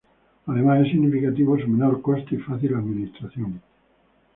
Además es significativo su menor coste y fácil administración.